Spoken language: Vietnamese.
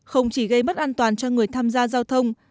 không chỉ gây mất an toàn cho người tham gia giao thông